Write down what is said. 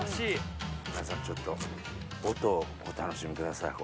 皆さんちょっと音をお楽しみください